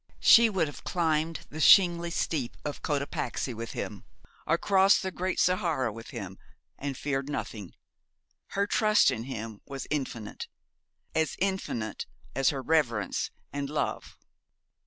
She would have climbed the shingly steep of Cotapaxi with him or crossed the great Sahara with him and feared nothing. Her trust in him was infinite as infinite as her reverence and love.